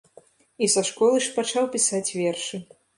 І са школы ж пачаў пісаць вершы.